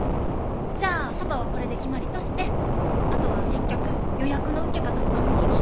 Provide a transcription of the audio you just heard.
じゃあそばはこれで決まりとしてあとは接客予約の受け方の確認を。